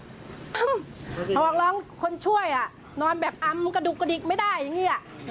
เขาบอกร้องคนช่วยอ่ะนอนแบบอำกระดุกกระดิกไม่ได้อย่างนี้